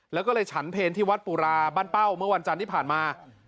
แล้วก็เลยฉันเพลที่วัดปุราบ้านเป้าเมื่อวันจันทร์ที่ผ่านมา